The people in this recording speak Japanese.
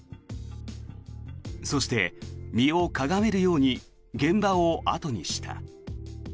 そして身をかがめるように現場を後にした。